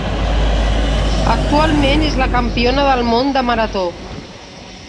Actualment és la campiona del món de marató.